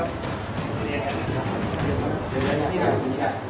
ขอบคุณครับ